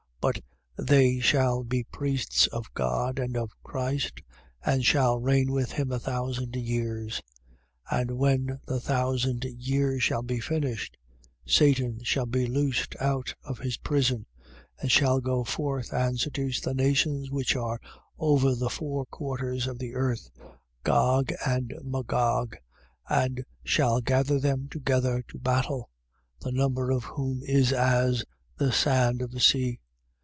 But they shall be priests of God and of Christ: and shall reign with him a thousand years. 20:7. And when the thousand years shall be finished, Satan shall be loosed out of his prison and shall go forth and seduce the nations which are over the four quarters of the earth, Gog and Magog: and shall gather them together to battle, the number of whom is as the sand of the sea.